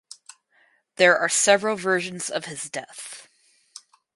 There are several versions of his death.